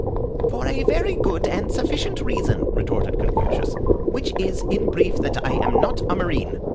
"For a very good and sufficient reason," retorted Confucius, "which is, in brief, that I am not a marine.